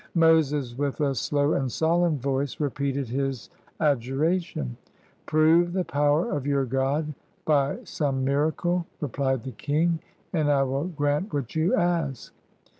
Moses, with a slow and solemn voice, repeated his adjuration. "Prove the power of your God by some miracle," replied the king, "and I will grant what you ask."